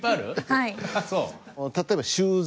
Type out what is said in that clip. はい。